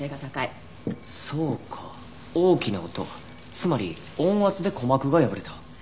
そうか大きな音つまり音圧で鼓膜が破れた。